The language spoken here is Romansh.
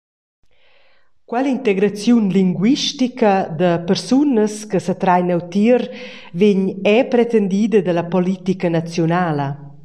Quell’integraziun linguistica da persunas che setrain neutier vegn era pretendida dalla politica naziunala.